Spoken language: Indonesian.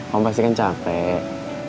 kamu pasti kan capek